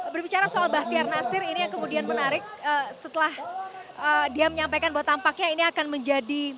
berbicara soal bahtiar nasir ini yang kemudian menarik setelah dia menyampaikan bahwa tampaknya ini akan menjadi